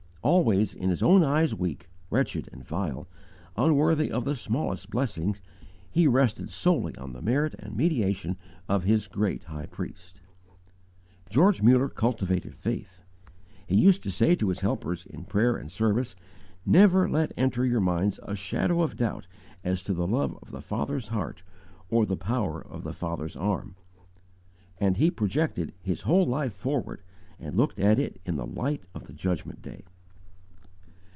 Always in his own eyes weak, wretched, and vile, unworthy of the smallest blessing, he rested solely on the merit and mediation of His great High Priest. George Muller cultivated faith. He used to say to his helpers in prayer and service, "Never let enter your minds a shadow of doubt as to the love of the Father's heart or the power of the Father's arm." And he projected his whole life forward, and looked at it in the light of the Judgment Day.